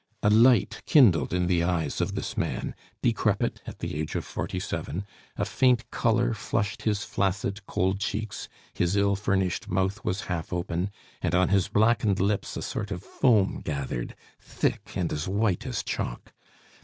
A light kindled in the eyes of this man, decrepit at the age of forty seven; a faint color flushed his flaccid cold cheeks, his ill furnished mouth was half open, and on his blackened lips a sort of foam gathered, thick, and as white as chalk.